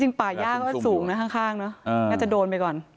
จริงป่ายยาก็สูงในข้างน่าจะโดนไปก่อน